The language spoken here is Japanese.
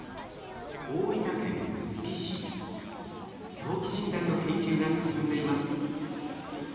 早期診断の研究が進んでいます。